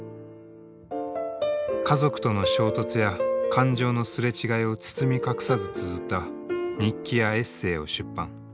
家族との衝突や感情のすれ違いを包み隠さずつづった日記やエッセイを出版。